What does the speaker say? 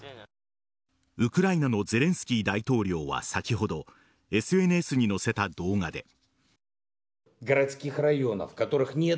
ウクライナのゼレンスキー大統領は先ほどＳＮＳに載せた動画で。